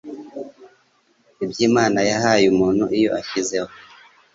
iby’Imana yahaye umuntu, iyo ashyizeho